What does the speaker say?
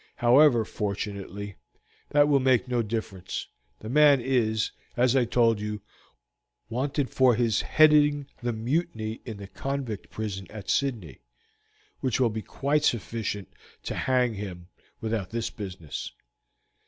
However, fortunately, that will make no difference; the man is, as I told you, wanted for his heading the mutiny in the convict prison at Sydney, which will be quite sufficient to hang him without this business.